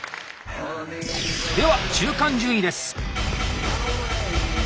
では中間順位です。